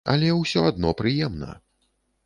Але ўсё адно прыемна!